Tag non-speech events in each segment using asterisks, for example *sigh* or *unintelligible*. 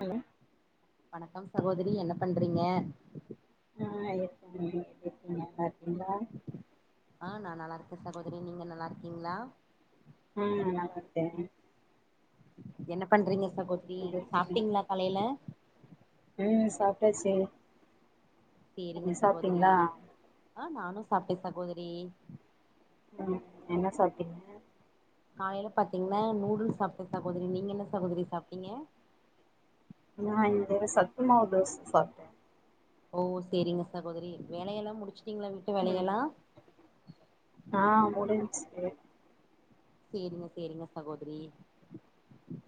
hello வணக்கம் சகோதரி என்ன பண்றீங்க ஆ இருக்கங்க நீங்க எப்டி இருக்கீங்க நல்லார்க்கீங்ளா ஆ நா நல்லா இருக்க சகோதரி நீங்க நல்லாருக்கீங்ளா ம் நல்லாருக்கே என்ன பண்றீங்க சகோதரி எப்டி இருக்கீங்க சாப்ட்டீங்ளா கலையில ம் சாப்ட்டாச்சி செரிங்க சகோதரி ஆ நானு சாப்ட்ட சகோதரி ம் என்ன சாப்ட்டீங்க காலைல பாத்தீங்னா நூடுல்ஸ் சாப்ட்ட சகோதரி நீங்க என்ன சகோதரி சாப்ட்டீங்க நா இந்த சத்தமாவு தோச சாப்ட்ட ஓ செரிங்க சகோதரி வேலையெல்லா முடிச்ட்டீங்ளா வீட்டு ம் வேலையெல்லா ஆ முடிஞ்ச்சி சேரிங்க சேரிங்க சகோதிரி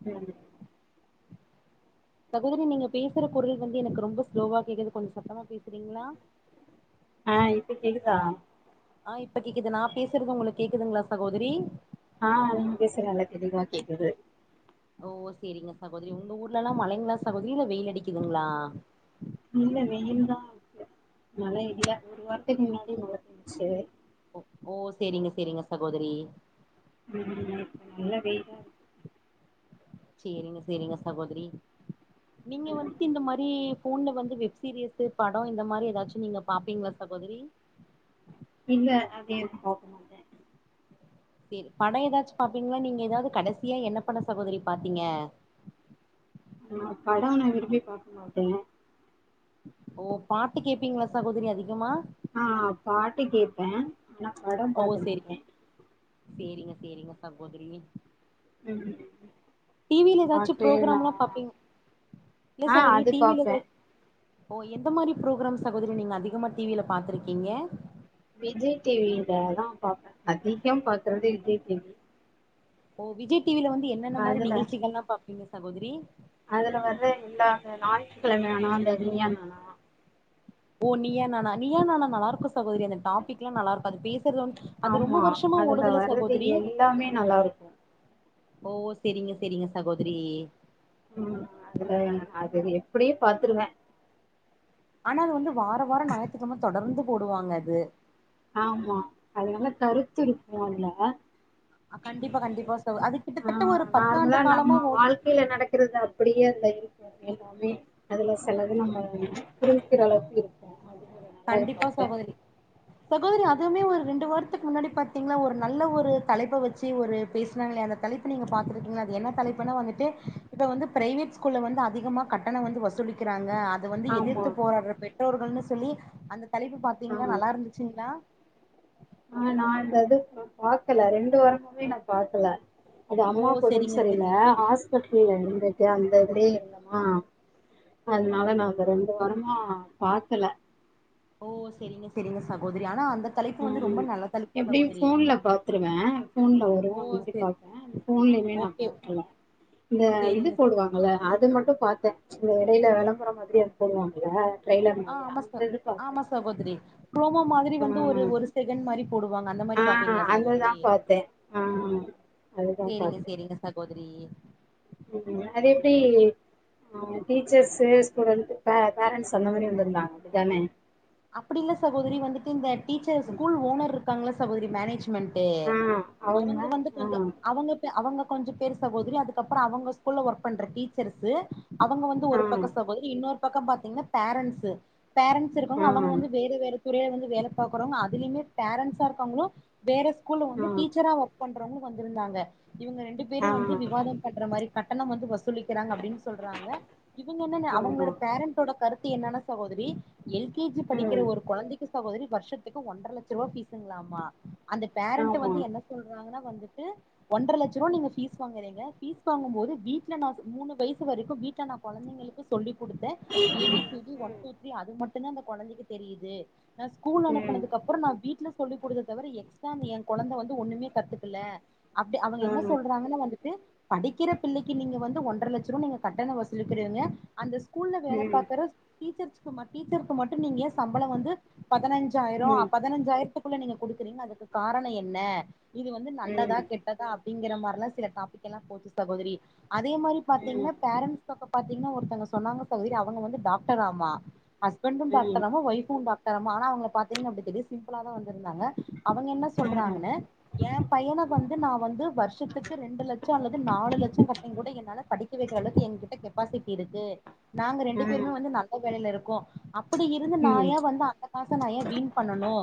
ம் சகோதரி நீங்க பேசற குரல் வந்து எனக்கு ரொம்ப ஸ்லோவா கேக்குது கொஞ்ச சத்தமா பேசுறீங்ளா ஆ இப்ப கேக்குதா ஆ இப்ப கேக்குது நா பேசறது உங்களுக்கு கேக்குதுங்ளா சகோதரி ஆ நீங்க பேசறத் நல்லா கேக்குது அதிகமா கேக்குது ஓ செரிங்க சகோதரி உங்க ஊர்ல எல்லா மழைங்ளா சகோதரி இல்ல வெயில் அடிக்குதுங்ளா இல்ல வெயில் தா இருக்கு மழ இல்ல ஒரு வாரத்துக்கு முன்னாடி மழ வந்துச்சு ஓ சேரிங்க சேரிங்க சகோதரி ம் இப்ப நல்ல வெயிலா இருக்கு சேரிங்க சேரிங்க சகோதரி நீங்க வந்துட்டு இந்த மாரி ஃபோன்ல வந்து வெப் சீரியஸு படோ இந்த மாரி ஏதாச்சு நீங்க பாப்பீங்ளா சகோதரி இல்ல அது எதும் பாக்க மாட்ட செரி பட ஏதாச்சு பாப்பீங்களா நீங்க ஏதாவது கடைசியா என்ன பட சகோதரி பாத்தீங்க ஆ படோ நா விரும்பி பாக்காமாட்டே ஓ பாட்டு கேப்பீங்களா சகோதரி அதிகமா ஆ ஆ பாட்டு கேப்ப என்ன படோ ஓ செரி செரிங்க செரிங்க சகோதரிங்க ம் டி வில ஏதாச்சும் பாட்டு நா ப்ரோக்ராம்லா பாப்பீங்க இல்ல ஆ சகோதரி அது டி வில பாப்பே ஏதா ஓ எந்த மாதிரி புரோகிராம் சகோதரி நீங்க அதிகமா டி வில பாத்ருக்கீங்க விஜய் டி வில தா பாப்பே அதிகம் பாக்குறது விஜய் டி வி ஓ விஜய் டிவில வந்து என்னென்ன மாரி அதுல நிகழ்ச்சிகள்லா பாப்பீங்க சகோதரி அதுல வர இல்ல அந்த ஞாயித்து கெழம ஆன அந்த நீயா நானா ஓ நீயா நானா நீயா நானா நல்லா இருக்கு சகோரி அந்த டாபிக்லா நல்லா இருக்கு அது பேசுறதல அது ரொம்ப ஆமா வருஷமா அதுல ஓடுதுல வர்றது சகோதரி எல்லாமே நல்லா இருக்கு ஓ செரிங்க செரிங்க சகோதரி ம் அதுல அது எப்டியே பாத்துருவ ஆனா அது வந்து வார வார ஞாயி்றுக்கெழம தொடர்ந்து போடுவாங்க அது ஆமா அது நல்ல கருத்து இருக்கும் அதுல ஆ கண்டிப்பா கண்டிப்பா சகோ அது கிட்டத்தட்ட ஒரு பத்தாண்டு காலமா ஓடு கயில நடக்கறது அப்டியே அந்த இருக்கு எல்லாமே அதுல செலது நம்ம புரிஞ்சுக்கற அளவுக்கு இருக்கு அது கொஞ்சம் நல்லா இருக்கு கண்டிப்பா அப்ப சகோதரி சகோதரி அதுவுமே ஒரு ரெண்டு வாரத்துக்கு முன்னாடி பாத்தீங்கல்லா ஒரு நல்ல ஒரு தலைப்ப வச்சு ஒரு பேசினாங்கில்லையா அந்த தலைப் நீங்க பாத்ருப்பீங்க அது என்ன தலைப்பு வந்துட்டு இப்ப வந்து பிரைவேட்ஸ் ஸ்கூல்ல வந்து அதிகமாக கட்டணம் வந்து வசூலிக் கிறாங்க அத அது வந்து ஆமா எதிர்த்து போராடுற பெற்றோர்கள்னு சொல்லி அந்த தலைப்பு ஆ பாத்தீங்களா நல்லா இருந்துச்சுங்களா ஆ நா இந்தது பாக்கல ரெண்டு வாரமாவே நான் பாக்கல அது ஓ அம்மாக்கு கூடம்பு செரிங்க சரியில செரிங்க ஹாஸ்பிட்ல்ல இருந்திட்டு அந்த இதுலயே இருந்தமா அதனால நா அத ரெண்டு வாரமா பாக்கல ஓ செரிங்க செரிங்க சகோதரி ஆனா அந்த தலைப்பு வந்து ரொம்ப ம் நல்ல தலைப்பு எப்டியு சகோதரி போன்ல பாத்துருவே போன்ல வரு ஓ *unintelligible* செரி பாப்பே போன்லயுமே நா ஓகே பாக்கல இந்த இது செரிங்க போடுவாங்கல்ல சகோ அது மட்டு பாத்த இந்த இடையில விளம்பரம் மாரி அது போடுவாங்கள ட்ரைலர் ஆ மாரி ஆமா ச அந்த இது பாப்பா ஆமா சகோதரி புரோம மாதிரி வந்து ஒரு ஒரு செகண்ட் மாரி போடுவாங்க அந்த மாரி ஆ பாப்பீங்களா அதுதா சகோதரி பாத்தே ஆ அதுதா செரிங்க பாத்தே செரிங்க சகோதிரி அது எப்டி ஆ டீச்சர்ஸ்சு ஸ்டூடெண்ட்டு ப பேரண்ட்ஸ் அந்த மாரி வந்திருந்தாங்க தானே அப்டி இல்ல சகோதரி வந்துட்டு இந்த டீச்சர் ஸ்கூல் ஓனர் இருக்காங்ளா சகோதரி மேனேஜ் மென்ட்டு ஆ அவுங்க அவங்க வந்து ஆ கொஞ்ச அவங்க அவங்க கொஞ்ச பேரு சகோதரி அதுக்கப்ற அவங்க ஸ்கூல்ல ஒர்க் பண்ற டீச்சர்ஸு அவங்க வந்து ஆ ஒரு பக்க சகோதரி இன்னொரு பக்க பாத்தீங்ன்னா பேரண்ட்ஸு பேரண்ட்ஸ் இரு ஆ காங்க வந்து வேற வேற துறையில வந்து வேலை பாக்கறவங்க அதுலயுமே பேரன்ண்ட்ஸா இருக்கங்களு வேர ஸ்கூல்ல வந்து டீச்சரா ஒர்க் பண்றவங்களு வந்திருந்தாங்க இவங்க ரெண்டு பேரு ஆ வந்து ஆ விவாதம் பண் ன்ற மாரி கட்டணம் வந்து வஸ் லிக்கிறாங்க அப்டின் சொல்றாங்க இவங்க என்ன ஆமா அவங்களோட பேரண்டோட கருத்து என்னன்னா சகோதரி எல் கே ஜி படிக்கிற ம் ஒரு குழந்தைக்கு சகோதரி வருஷத்துக்கு ஒன்றர லட்ச ரூபா ஃபீஸுங்ளாமா அந்த பேரண்ட்டு ஆமா ம் ஆ ம் ம் வந்து ம் ம் ம் ம் ம் என்ன சொல்றாங்கன்னா வந்துட்டு ஒன்றர லட்சம் ரூபா நீங்க ஃபீஸ் வாங்குறீங்க பீஸ் வாங்கும் போது வீட்ல நா மூணு வயசு வரைக்கு வீட்ல ந குழந்தைங்களுக்குஸ் சொல்லிக் கொடுத்த A B C D one two three அது மட்டுதா அந்த குழந்தைக்கு தெரியுது நா ஸ்கூல் ம் ம் அனுப்புனதுக்கப்ற நா வீட்ல சொல்லிகுடுத்த தவிர எக்ஸ்டா என் குழந்தை வந்து ஒண்ணுமே கத்துக்கல அப்டி அவங்க என்ன சொல்றாங்கன்னு வந்துட்டு படிக்கிற பிள்ளைக்கு நீங்க வந்து ஒன்றர லட்சம் ரூவா நீங்க கட்டண வசூலிக்கிறீங்க அந்த ஸ்கூல்ல வேல பாக்ற டீச்சர்ஸ மட் டீச்சர்க்கு மட்டு நீங்க ஏ சம்பளம் வந்து பதினஞ்சாயிர பதினஞ்சாயிரத்துக்குள்ள நீங்க குடுக்குறீங்கு அதுக்கு காரண என்ன இது வந்து நல்லதா கெட்டதா அப்டிங்கிற மாரிலா சில டாபிக் எல்லா போச்சு சகோதரி அதே மாரி பாத்தீங்ன்னா பேரண்ட்ஸ் பக்க பாத்தீங்ன்னா ஒருத்தங்க சொன்னாங்க பாரு இரு அவங்க வந்து டாக்டர்ராமா ஹஸ்பண்டு டாக்டராமா ஒய்ஃபு டாக்டராம ஆனா அவங்கள பாத்தீங்கன்னா அப்டி தெரிய சிம்ப்ளா தா வந்திர்ந்தாங்க அவங்க என்ன சொல்றாங்கன்னு எ பையன வந்து நா வந்து வருஷத்துக் க்கு ரெண்டு லட்சோ அல்லது நாலு லட்சோ கட்டிங் கூட என்னால வைக்ற அளவுக்கு எங்கிட்ட கெப்பாசிட்டி இருக்கு நாங்க ரெண்டு பேருமே வந்து நல்ல வேலைல இருக்கோ அப்டி இருந்து நா ஏ வந்து அந்த காச நா வீண் பண்ணனு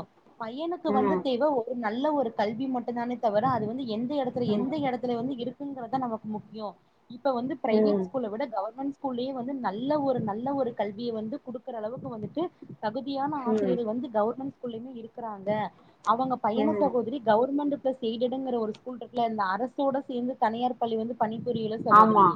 பையனுக்கு வந்து இப்ப எதோ நல்ல ஒரு கல்வி மட்டு தானே தவிர அது வந்து எந்த இடத்துல எந்த இடத் துல வந்து இருக்குங்கிறதா நமக்கு முக்கியோ இப்ப வந்து ப்ரைவேட் ஸ்கூல விட கவர்ன்மெண்ஸ் ஸ்கூல்லே வந்து நல்ல ஒரு நல்ல ஒரு கல்விய வந்து குடுக்கற அளவுக்கு வந்துட்டு தகுதியான ம் ம் ம் ஆசிரியர்கள் வந்து கவர்மெண்ட் ஸ்கூல்லயுமே இருக்குறாங்க அவங்க பையன ம் சகோதரி கவர்மெண்ட் ப்ளஸ் எய்டட் ங்ற ஒரு ஸ்கூல் இருக்குல இந்த அரசோட சேர்ந்து தனியார் பள்ளி வந்து பணிபுரியுல ஆமா சகோதரி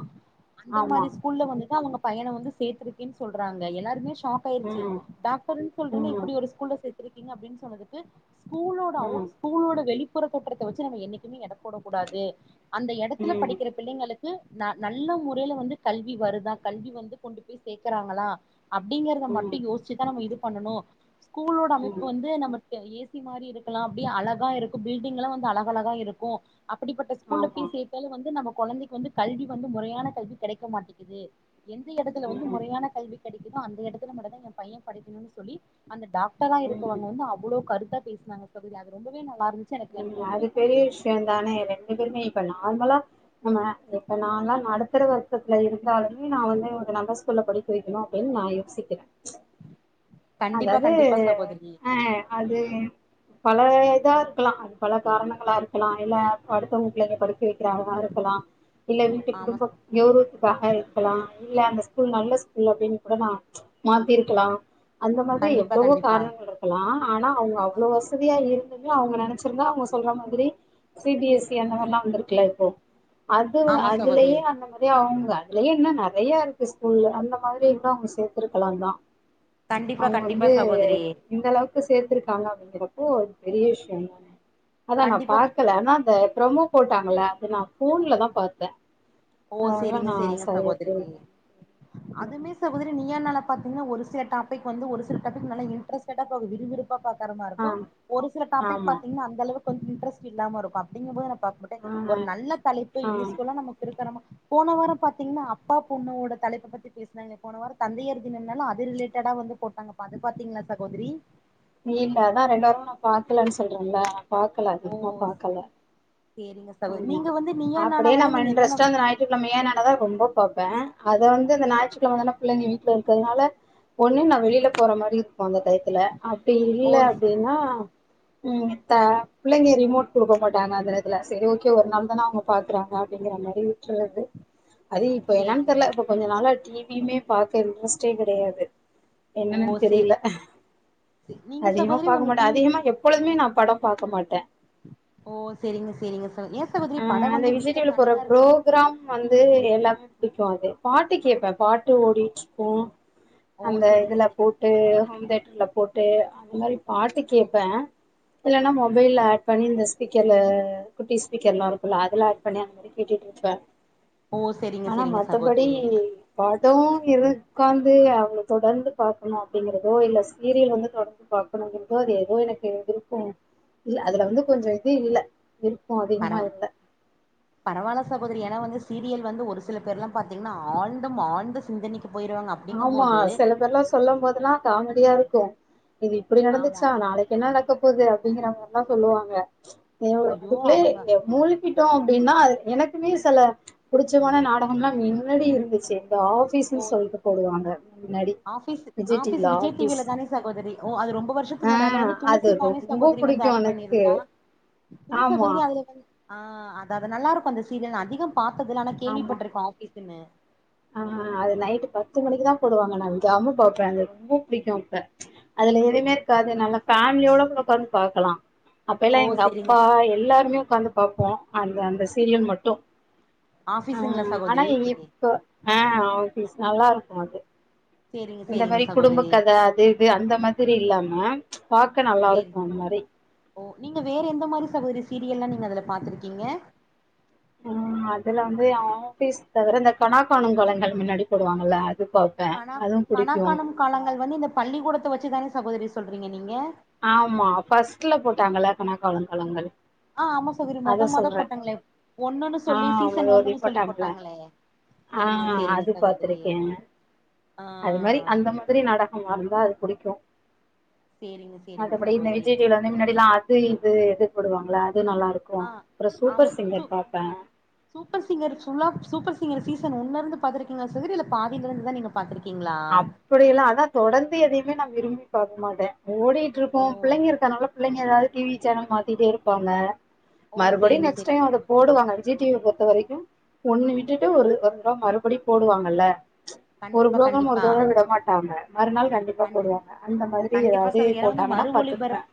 அந்த ஆமா மாரி ஸ்கூல்ல வந்துட்டு அவங்க பையன வந்து சேத்திருக்கேன் சொல்றாங்க எல்லாருமே ஷாக் ஆயிச்சு ம் ம் டாக் டர்னு கசொல்றீங்க ம் இப்டி ஒரு ஸ்கூல்ல சேத்திருக்கீங்க அப்டினு சொன்னதுக்கு ஸ்கூலோட ம் அவுட் ம் ஸ்கூலோட வெளிப்புற தோற்றத்த வச்சு நம்ம என்னைக்குமே எட போடக்கூடாது அந்த இடத்துல படிக்கிற பிள்ளைங்களுக்கு ந நல்ல முறையில வந்து கல்வி வருதா கல்வி வந்து கொண்டு போய் சேக்கறாங்களா அப்டிங்கறத மட்டு யோசிச்சுதா நம்ம இது பண்ணணு ஸ்கூலோட அமைப்பு ம் வந்து நமக்கு ஏசி மாரி இருக்கலா அப்டியே அழகா இருக்கு பில்டிங்லா வந்து அழக அழகா இரு க்கு அப்டிப்பட்ட ஸ்கூல்ல ஆமா பீஷ் ஏத்தாலு வந்து நம்ம குழந்தைக்கு வந்து கல்வி வந்து முறையான கல்வி கிடைக்க மாட்டேக்குது எந்த இடத்துல வந்து ம் முறையான கல்வி கிடைக்குதோ அந்த இடத்துல மட்டு தா எ பைய படிக்கணுனு சொல்லி அந்த டாக் பரா ம் இருக்கவங்க வந்து அவ்ளோ கருத்தா பேசினாங்க சகோதரி அது ரொம்பவே நல்லார்ந்துச்சு எனக்கு ம் எனக்கு அது ரொம்பவே பெரிய பிடிச்சிருந்துச்சு விஷயம் தானே ரெண்டு பேருமே இப்ப நார்மலா ஆமா இப்ப நான்ல்லாம் நடுத்தர வர்க்கத்துல இருந்தாலுமே நா வந்து ஒரு நல்ல ஸ்கூல்ல படிக் க்க வைக்கணு அப்டின் நா யோசிக்றே கண்டிப்பா அதாவது கண்டிப்பா சகோதரி ஆ அது பல இதா இரு க்கலா அது பல காரணங்களா இருக்கலா இல்ல அடுத்தவங்க பிளைங்க படிக்க வைக் க்க இருக்கலாம் இல்ல வீட்டு ஆமா குடும்ப கௌரவத்துக்காக இருக்கலா இல்ல அந்த ஸ்கூல் நல்ல ஸ்கூல் அப்டின் கூட நா மாத்திருக்கலாம் அந்த மாதிரி கண்டிப்பா எவ்வளவோ கண்டிப்பா காரணங்கள் இருக் க்கலாம் ஆனா அவங்க அவ்ளோ வசதியா இருந்துட்டு அவுங்க நினச்சிருந்தா அவங்க சொல்ற மாதிரி சி பி எஸ் சி அந்த மாதிரி எல்லாம் வந்திருக்கல இப்போ அது ஆமா சகோதரி அதுலயே அந்த மா ஏ அவுங்க அதுலயே இன்னோ நெறையா இருக்கு ஸ்கூல்ல அந்த மாதிரி கூட அவுங்க சேத்திருக்குலா தா கண்டிப்பா அவுங்க கண்டிப்பா வந்து சகோதரி இந்த அளவுக்கு சேத்திருக்காங்க அப்டிங்கிற அப்போ பெரிய விஷியோ தா அதா நா கண்டிப்பா பாக்கல ஆனா அத ப்ரமோ போட்டாங்களா அத நா ஃபோன்ல தா பாத்த ஓ செரிங்க செரிங்க சகோதரி அதுமே சகோதிரி நீயா நானா பாத்தீங்ன்னா ஒரு சில டாப்பிக் வந்து ஒரு சில டாப்பிக் நல்லா இன்ட்ரெஸ்ட்டட போது விறுவிறு ப்பா பாக்ற மார் ஆ இருக்கு ஒரு சில டாபிக் ஆமா பாத்தீங்ன்னா அந்த அளவு கொஞ்ச இன்ட்ரெஸ்ட் இல்லாம இருக்கு அப்டிங்கு போது பாக் மாட்டே ஆ ஒரு நல்ல தலைப்பு ஆ யூஸ்ஃபுல்லா நமக்கு இருக்கறமா போன வாரோ பாத்தீங்ன்னா அப்பா பொண்ணோட தலைப்ப பத்தி பேசினாங்க போன வாரோ தந்தையர் தினம்னால அது ரிலேட்டடா வந்து போட்டாங்கப்பா அது பாத்தீங்ளா சகோதிரி இல்ல அதா ரெண்டு வாரமா நா பாக்கலன்னு சொல்றேல்ல பாக்கல அதிகம்மா ஓ பாக்கல சேரிங்க சகோதரி ஆமா நீங்க வந்து நீயா நானா அப்டியே வந்து நம்ம நீங்க எத்தன இன்ட்ரெஸ்ட்டா அந்த ஞாய் ஞாயத்துக்கிழமனால தா ரொம்ப பாப்பே அத வந்து இந்த ஞாற்றுக்கிழமதான பிள்ளைங்க வீட்ல இருக்கறதுனால ஒண்ணு நா வெளியில போற மாதிரி இருக்கு அந்த டையத்துல அப்டி ஓ இல்ல அப்டின்னா ம் த பிள்ளிங்க ரிமோட் குடுக்க மாட்டாங்க அந்த நேரத்துல சரி ஓகே ஒரு நாள் தான அவுங்க பாக்குறாங்க அப்டிங்கிறமேரி விட்டுறது அது இப்ப என்னான்னு சேரிங்க தெர்ல இப்ப கொஞ்ச நாளா டி வியுமே பாக்க இன்ட்ரெஸ்ட்டே கெடையாது ஓ என்னன்னன்னு சேரி தெரியில சே நீங்க அதிகமா சகோதரி பாக்க உங்க மாட்டே டிவி அதிகமா எப் பொழுதுமே நா படோ பாக்க மாட்ட ஓ செரிங்க செரிங்க சகோ ஏ சகோதிரி படோ வந்து வீட்ல தனியா இருக்குபோது க்ராம் வந்து எல்லாமே பிடிக்கு அது பாட்டு கேப்ப பாட்டு ஓடிட்டு இருக்கு ஓ அந்த சேரிங்க இதுல சேரிங்க போட்டு சகோதரி ஹோம் தேட்டர்ல போட்டு அந்த மாரி பாட்டு கேப்ப இல்லைன்னா மொபைலில் ஆட் பண்ணி இந்த ஸ்பீக்கர்ல குட்டி ஸ்பீக்கர்ல்லா இருக்குல அதுல அட் பண்ணி அந்த மேரி கேட்டுருப்பே ஓ சேரிங்க ஆனா சேரிங்க மத்தபடி சகோதரி பாடோ இருக்காந்து அவ்ளோ தொடர்ந்து பாக்குனு அப்டிங்கிறதோ இல்ல சீரியல் வந்து தொடர்ந் து பாக்குணுங்கிறதோ அது ஏதோ எனக்கு விருப்போ இல்ல அதுல வந்து கொஞ்சோ இது இல்ல விருப்போ அதிகமா இல்ல பரவால சகோதிரி ஏனா வந்து சீரியல் வந்து ஒரு சில பேர்ல்லா பாத்தீங்கன்னா ஆழ்தம் ஆழ்ந்த சிந்தனைக்கி போயிருவாங்க அப்டிங்கும் ஆமா போது சில பேர்லா சொல்ல போதுயெல்லா காமெடியா இருக்கு இது இப்டி ஆமா நடந்துச்சா நாளைக்கு என்ன நடக்க போது அப்டிங்கிற மாரில்லா சொல்லுவாங்க எவ்ளோ ஐயோ அதுக்குளே அவங்க இங்க மூலிக் க்கிட்டோ அப்டின்னா எனக்குமே சில பிடிச்சமான நாடகோல்லா மின்னாடி இருந்துச்சு த ஆஃபீஸ்ன்னு சொல்ட்டு போடுவாங்க முன்னாடி ஆஃபீஸ் விஜய் ஆஃபீஸு டிவில விஜய் டி ஆபீஸ் வில தானே சகோதிரி ஓ அது ரொம்ப வருஷோ த்துக்கு ஆ முன்னாடி அதுல வந்து அது துளசி தான ரொம்ப சகோதிரி வந்து புடிக்கு ஆக்ட் எனக்கு பண்ணிருந்தா இல்ல ஆமா சகோதரி அதுல வந்து ஆ அதா அதா நல்லா இருக்கு சீரியல்ன் அதிகோ பாத்ததுல ஆனா ஆமா கேள்விபட்ருக்க ஆஃபீஸ்ன்னு ஆ அது நைட்டு பத்து மணிக்கு தா போடுவாங்க நா விடாம பாப்ப அது ரொம்ப பிடிக்கு அப்ப அதுல எதுவுமே இருக்காது நல்லா பேமிலியோட கூட உக்காந்து பாக்கலா அப்பெல்லா ஓ எங்க செரிங்க அப்பா எல்லாருமே உக்காந்து பாப்போ அந்த அந்த சீரியல் மட்டு ஆ ஆபீஸுங்களா ஆனா சகோதரி இப்ப ஆ ஆஃபீஸ் நல்லா இருக்கு அது சேரிங்க இந்த சேரிங்க மேரி குடும்ப சகோதரி கத அது இது அந்த மாதிரி இல்லாம பாக்க நல்லா சேரி இருக்கு அந்த மாரி ஓ நீங்க வேற எந்த சகோதிரி சீரியெல்லா நீங்க அதுல பாத்துருக்கீங்க ஆ அதுல வந்து ஆஃபீஸ் தவிர இந்த கணாக்காணு காளங்கள் மின்னாடி போடுவாங்கல்ல அது பாப்பே கனா அதுவு புடிக்கு கனாக்கானு காலங்கள் வந்து இந்த பள்ளிக்கூடத்த வச்சு தானே சகோதிரி சொல்றீங்க நீங்க ஆம்மா ஃப்ர்ஸ்ட்ல போட்டாங்கள்ல கனா காணு காலங்கள் ஆ ஆமா சகோதரி அத மொத மொத சொல்றே போட்டாங்களே ஒண்ணுன்னு ஆ சொல்லி சீசன் முழுவதி ஒண்ணுன்னு சொல்லி போட்டாங்கல்ல போட்டாங்களே ஆ சேரிங்க சேரிங்க அது சகோதரி பாத்துருக்கே ஆ அது மாரி அந்த மா திரி நாடகமா இருந்தா அது புடிக்கு சேரிங்க சேரிங்க சகோதரி முன்னாடில்லா அது இது எது போடுவாங்களா அது நல்லா இருக்கு ஆ அப்பறோ ஆமா சூப்பர் சு சிங்கர் பாப்பே சூப்பர் சிங்கர் ஃபுல்லா சூப்பர்ங்கர் சீசன் ஒன்ல இருந்து பாத்திருக்கீங்களா சகோதரி இல்ல பாதில இருந்துதா நீங்க பாத்துருக்கீங்களா இப்டியெல்லா அதா தொடந்து எதயுமே நா விரும்பி பாக்க மாட்டே ஓடிட்டு ஓ இருக்கு புள்ளைங்க இருக்கனால புள்ளைங்க ஏதாவது டிவி சேனல் மாத்திட்டே இருப்பாங்க ஓ மறுபடியு செரிங்க நெக்ஸ்ட் செரிங்க டைம் அத சகோதரி போடுவாங்களே ஜி டிவி பொறுத்த வரைக்கு ஒண்ணு விட்டுட்டு ஒரு த ஒரு தரவ மறுபடியு போடுவாங்கல்ல கண்டிப்பா கண்டிப் இதோட விட மாட்டாங்க மறுநாள் கண்டிப்பா கண்டி போடுவாங்க அந்த மாதிரி கண்டிப்பா ஏதாவது சகோதரி ஏன்னா வந்து போட்டாங்கன்னா மறு பாத்துப்பே ஒளிபரப்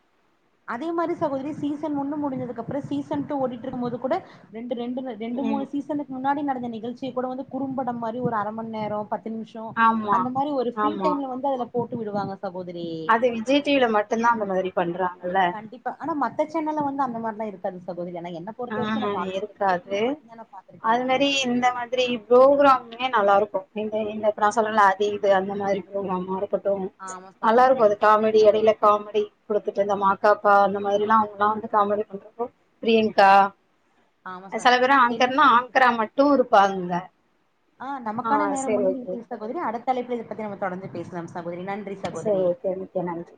அதே மாரி சகோதரி சீசன் ஒன்னு முடிஞ்சதுக்குப்பறோ சீசன் டூ ஓடிட்டு இருக்கும் போது கூட ரெண்டு ரெண்டு ரெண்டு ம் மூணு சீசனுக்கு முன்னாடி நடந்த நிகழ்ச்சிய கூட வந்து குறும்படம் மாரி ஒரு அர மணி நேரோ பத்து நிம் ஷோ ஆமா அந்த மாரி ஒரு ஃப்ரீ ஆமா டைம்ல வந்து அதுல போட்டு விடுவாங்க சகோதரி அது விஜய் டிவில மட்டுந்தா அந்தமாரி பண்றாங்கல்ல கண்டிப்பா ஆனா மத்த சேனல்ல வந்து அந்த மாரில்லா இருக்காது சகோதரி ஆனா என்ன ஆ பொறுத்த வரைக்கு நா பாத்தது விஜய் இருக்காது டிவில மட்டுந்தா நா பாத்திருக்கே அது நானு மாரி இந்த மாதிரி ப்ரோக்ராம்மே நல்லா இருக்கு இந்த இந்த இப்ப நா சொல்றேல்ல அது இது அந்த மாரி ப்ரோக்ராமா இரு க்கு ஆமா நல்லா இருக்கு சகோதரி அது காமெடி எடைல காமெடி குடுத்துட்டு இந்த மா கா பா அந்த மாரில்லா அவங்கல்லா வந்து காமெடி பண்றப்போ பிரியங் கா ஆமா ச செல பேரு செரிங்க ஆங்க்கர்ன்னா சகோதரி ஆங்க்கரா மட்டு இருப்பாங்கங்க ஆ நமக்கான நேரம் முடிந்து விட்டது சகோதரி அடுத்த அழைப்புல இத பத்தி நம்ம தொடர்ந்து பேசலாம் சகோதரி நன்றி சகோதரி மிக்க நன்றி